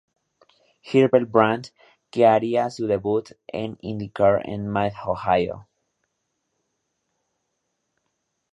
Hildebrand, que ha´ria su debut en la IndyCar en Mid-Ohio.